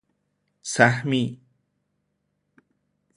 سهمی